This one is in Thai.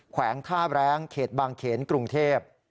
แขวงท่าแรงเขตบางเขนกรุงเทพ